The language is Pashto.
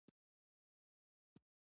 ځنګلونه د ځمکې د انرژی توازن لپاره اړین دي.